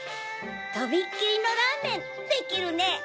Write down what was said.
とびっきりのラーメンできるネ。